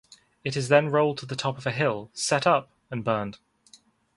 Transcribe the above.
It is then rolled to the top of a hill, set up, and burned.